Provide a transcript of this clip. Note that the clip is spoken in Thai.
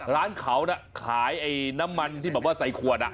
ร้านเขาน่ะขายไอ้น้ำมันที่แบบว่าใส่ขวด